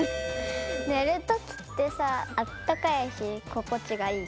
ねるときってさあったかいしここちがいい。